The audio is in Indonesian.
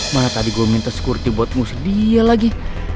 mana tadi gue minta skurty buat musuh dia lagi